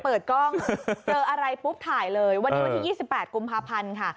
เปิดกล้องเจออะไรปุ๊บถ่ายเลยวันนี้วันที่๒๘กุมภาพันธ์ค่ะ